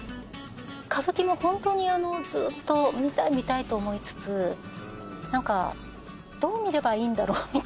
歌舞伎もホントにずっと見たい見たいと思いつつどう見ればいいんだろうみたいな。